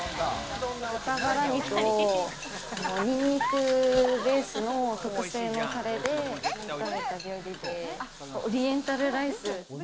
豚バラ肉をニンニクベースの特製のタレで炒めた料理で、オリエンタルライス。